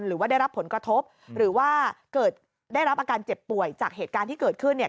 หรือว่าได้รับผลกระทบหรือว่าเกิดได้รับอาการเจ็บป่วยจากเหตุการณ์ที่เกิดขึ้นเนี่ย